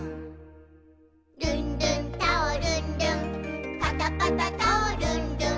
「ルンルンタオルン・ルンパタパタタオルン・ルン」